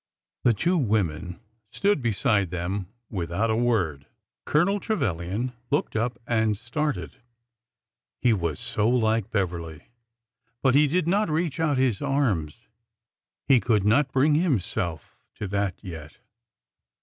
The two women stood beside them, without a word. Colonel Trevilian looked up and started, — he was so like Beverly ! But he did not reach out his arms. He could not bring himself to that yet.